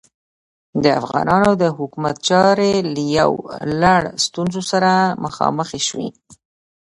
د افغانانو د حکومت چارې له یو لړ ستونزو سره مخامخې شوې.